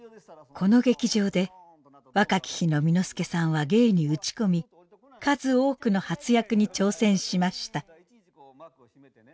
この劇場で若き日の簑助さんは芸に打ち込み数多くの初役に挑戦しました。